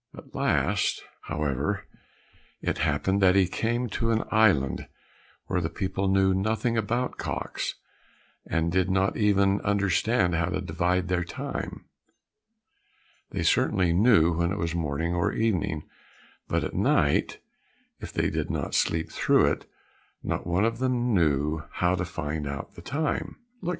At last, however, it happened that he came to an island where the people knew nothing about cocks, and did not even understand how to divide their time. They certainly knew when it was morning or evening, but at night, if they did not sleep through it, not one of them knew how to find out the time. "Look!"